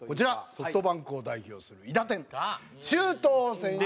ソフトバンクを代表する韋駄天周東選手。